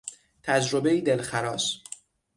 تجربهای دلخراش